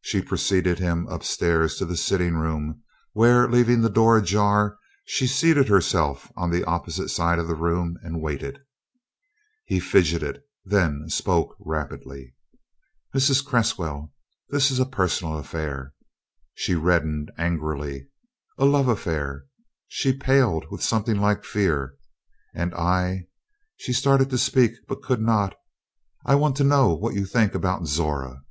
She preceded him up stairs to the sitting room, where, leaving the door ajar, she seated herself on the opposite side of the room and waited. He fidgeted, then spoke rapidly. "Mrs. Cresswell this is a personal affair." She reddened angrily. "A love affair" she paled with something like fear "and I" she started to speak, but could not "I want to know what you think about Zora?"